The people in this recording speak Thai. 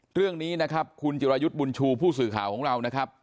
เรื่องนี้นะครับคุณจิรายุทธ์บุญชูผู้สื่อข่าวของเรานะครับ